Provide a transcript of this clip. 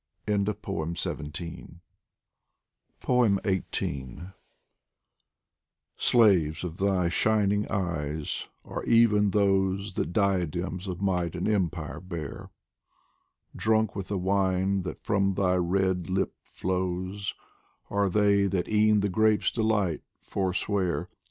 87 POEMS FROM THE XVIII SLAVES of thy shining eyes are even those That diadems of might and empire bear ; Drunk with the wine that from thy red lip flows, Are they that e'en the grape's delight forswear.